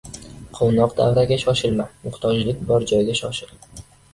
• Quvnoq davraga shoshilma, muhtojlik bor joyga shoshil.